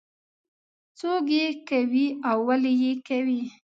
څوک یې کوي او ولې یې کوي.